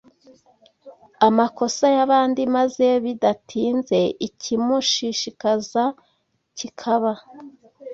amakosa y’abandi, maze bidatinze ikimushishikaza kikaba